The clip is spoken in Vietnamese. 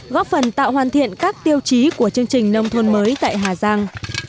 góp phần tạo hoàn thiện các tiêu chí của chương trình nông thôn mới tại hà giang